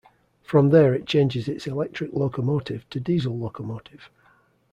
From there it changes its electric locomotive to diesel locomotive.